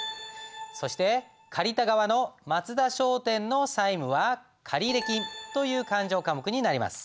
そして借りた側の松田商店の債務は借入金という勘定科目になります。